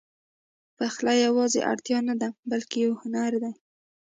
پخلی یواځې اړتیا نه ده، بلکې یو هنر دی.